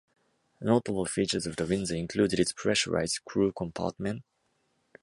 Notable features of the Windsor included its pressurised crew compartment.